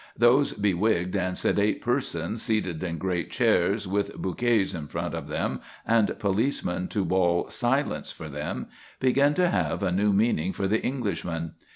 Those bewigged and sedate persons seated in great chairs, with bouquets in front of them and policemen to bawl "Silence!" for them, begin to have a new meaning for the Englishman.